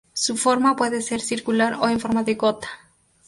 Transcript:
Su forma puede ser circular o en forma de gota.